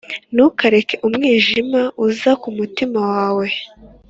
ntukareke umwijima uza ku mutima wawe